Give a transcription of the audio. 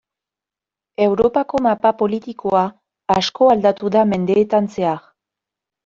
Europako mapa politikoa asko aldatu da mendeetan zehar.